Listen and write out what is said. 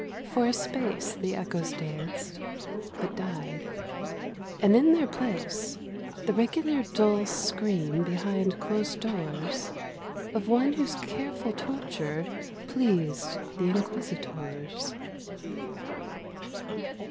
For a space The echoes danced, but died : and in their place The regular dull scream behind closed doors Of one whose careful torture pleased the inquisitors.